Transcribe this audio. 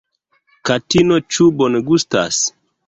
Katino ĉu bongustas?